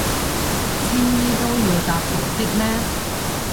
青衣都要搭紅的咩？